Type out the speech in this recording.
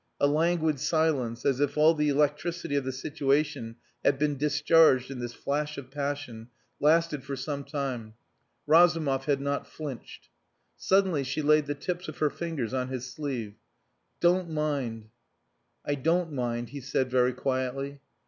A languid silence, as if all the electricity of the situation had been discharged in this flash of passion, lasted for some time. Razumov had not flinched. Suddenly she laid the tips of her fingers on his sleeve. "Don't mind." "I don't mind," he said very quietly.